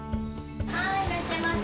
いらっしゃいませ。